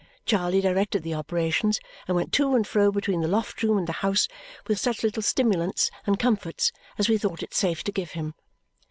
Charley directed the operations and went to and fro between the loft room and the house with such little stimulants and comforts as we thought it safe to give him.